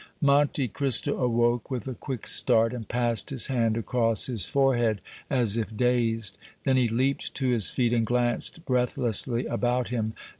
Monte Cristo awoke with a quick start and passed his hand across his forehead, as if dazed; then he leaped to his feet and glanced breathlessly about him.